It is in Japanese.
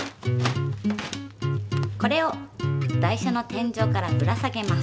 これを台車の天井からぶら下げます。